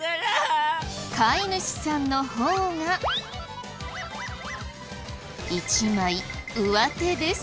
飼い主さんの方が一枚上手です。